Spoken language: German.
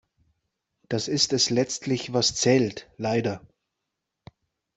Das ist es letztlich was zählt, leider.